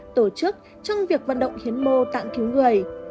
tổ chức trong việc vận động hiến mô tạng cứu người